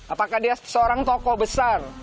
apakah dia seorang tokoh besar